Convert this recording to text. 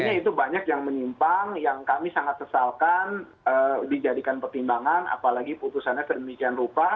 artinya itu banyak yang menyimpang yang kami sangat sesalkan dijadikan pertimbangan apalagi putusannya sedemikian rupa